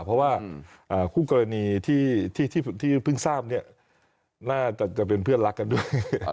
เพราะว่าคู่กรณีที่เพิ่งทราบเนี่ยน่าจะเป็นเพื่อนรักกันด้วย